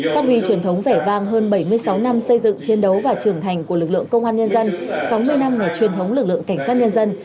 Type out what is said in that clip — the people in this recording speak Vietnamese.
phát huy truyền thống vẻ vang hơn bảy mươi sáu năm xây dựng chiến đấu và trưởng thành của lực lượng công an nhân dân sáu mươi năm ngày truyền thống lực lượng cảnh sát nhân dân